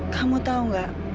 kamu tahu nggak